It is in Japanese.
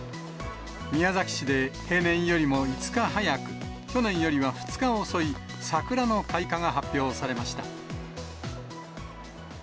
宮崎市で平年よりも５日早く、去年よりは２日遅い桜の開花が発表されました。